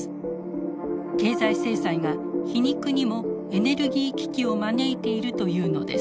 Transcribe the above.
経済制裁が皮肉にもエネルギー危機を招いているというのです。